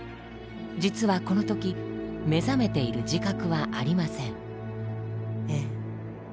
実はこの時目覚めている自覚はありません。